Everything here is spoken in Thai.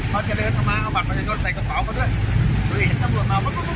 เขาจะเดินเข้ามาเอาบัตรมาทางด้วยใส่กสเบาเข้าด้วย